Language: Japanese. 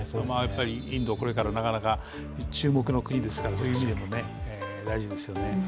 インドはこれから注目の国ですから、そういう意味でも大事ですよね。